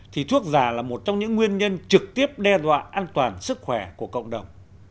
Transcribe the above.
thì thuốc giả là một trong những nguyên nhân trực tiếp đe dọa an toàn sức khỏe của cộng đồng